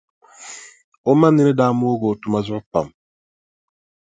O ma nini daa moogi o tuma zuɣu pam.